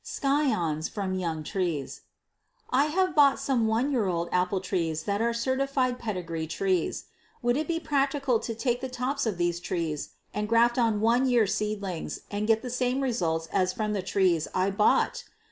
Scions from Young Trees. I have bought some one year old apple trees that are certified pedigree trees. Would it be practical to take the tops of these trees and graft on one year seedlings and get the same results as from the trees I bought?